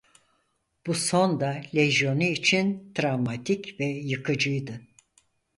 Bu son da lejyonu için travmatik ve yıkıcıydı.